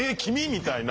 みたいな。